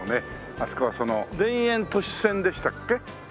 あそこは田園都市線でしたっけ？